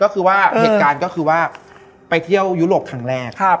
เหตุการณ์ก็คือว่าไปเที่ยวยุโรคครั้งแรก